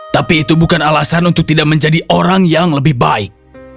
tapi itu bukan alasan untuk tidak menjadi orang yang lebih baik